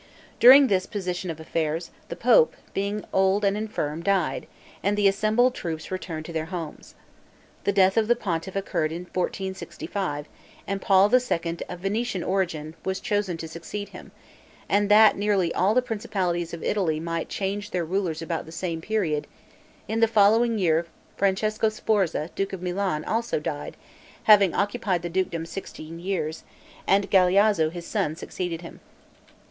During this position of affairs, the pope, being old and infirm, died, and the assembled troops returned to their homes. The death of the pontiff occurred in 1465, and Paul II. of Venetian origin, was chosen to succeed him; and that nearly all the principalities of Italy might change their rulers about the same period, in the following year Francesco Sforza, duke of Milan, also died, having occupied the dukedom sixteen years, and Galleazzo, his son, succeeded him.